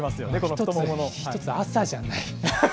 一つ、朝じゃない。